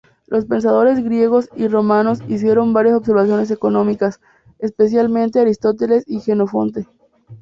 Los pensadores griegos y romanos hicieron varias observaciones económicas, especialmente Aristóteles y Jenofonte.